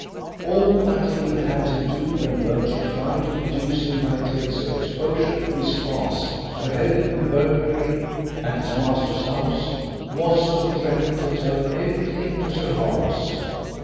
All that Hill had to do when Birchill tried to induce him, by threats of exposure of his past, to help in a burglary at his master's house, was to threaten to tell everything to Sir Horace.